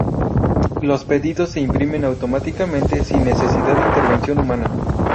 Los pedidos se imprimen automáticamente, sin necesidad de intervención humana.